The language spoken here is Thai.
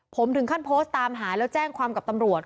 ผมถึงขั้นโพสต์ตามหาแล้วแจ้งความกับตำรวจ